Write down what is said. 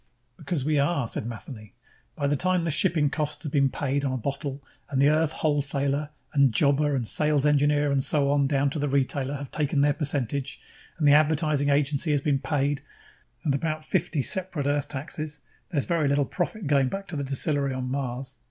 "Because we are," said Matheny. "By the time the shipping costs have been paid on a bottle, and the Earth wholesaler and jobber and sales engineer and so on, down to the retailer, have taken their percentage, and the advertising agency has been paid, and about fifty separate Earth taxes there's very little profit going back to the distillery on Mars.